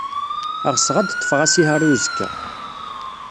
Ɣseɣ ad ḍḍfeɣ asihaṛ i uzekka.